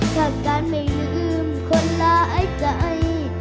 ถ้าการไม่ลืมคนหลายใจ